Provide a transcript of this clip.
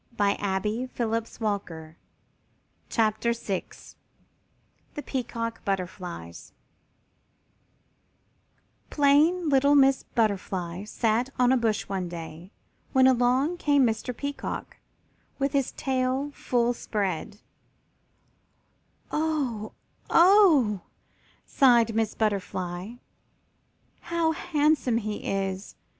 THE PEACOCK BUTTERFLIES [Illustration: The Peacock Butterflies] Plain little Miss Butterfly sat on a bush one day, when along came Mr. Peacock, with his tail full spread. "Oh oh!" sighed little Miss Butterfly. "How handsome he is!